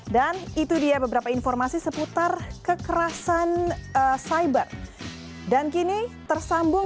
dan itu dia beberapa informasi seputar kekerasan cyber